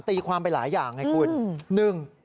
ตีความไปหลายอย่างไงคุณ